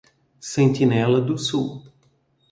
Sentinela do Sul